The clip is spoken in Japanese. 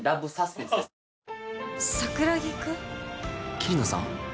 桐野さん？